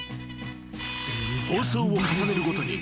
［放送を重ねるごとに］